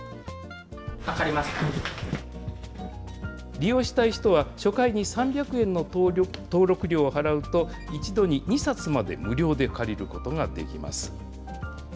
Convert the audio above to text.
利用したい人は、初回に３００円の登録料を払うと、一度に２冊まで無料で借りることができます。